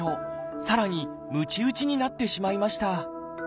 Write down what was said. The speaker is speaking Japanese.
さらにむち打ちになってしまいました。